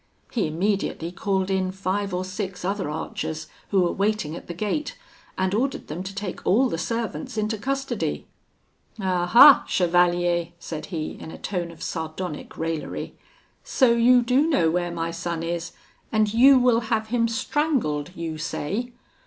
He immediately called in five or six other archers, who were waiting at the gate, and ordered them to take all the servants into custody. 'Ah! ah! Chevalier,' said he, in a tone of sardonic raillery, 'so you do know where my son is, and you will have him strangled, you say?